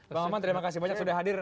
bang oman terima kasih banyak sudah hadir